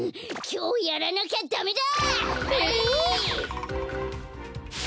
きょうやらなきゃダメだ！